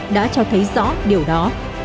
đã cho thấy rõ điều đó